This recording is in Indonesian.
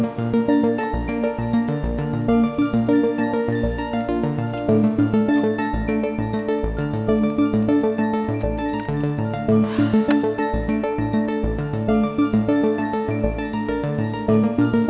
setelah enam bulan